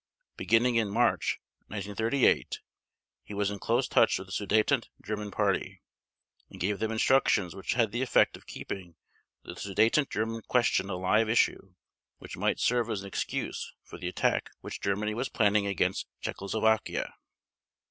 Beginning in March 1938, he was in close touch with the Sudeten German Party and gave them instructions which had the effect of keeping the Sudeten German question a live issue which might serve as an excuse for the attack which Germany was planning against Czechoslovakia.